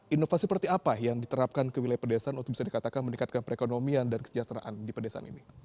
inovasi seperti apa yang diterapkan ke wilayah pedesaan untuk bisa dikatakan meningkatkan perekonomian dan kesejahteraan di pedesaan ini